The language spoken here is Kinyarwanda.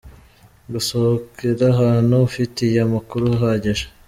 Gusohokera ahantu ufitiye amakuru ahagije .